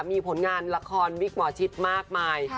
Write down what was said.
มีผลงานละครวิกหมอชิดมากมาย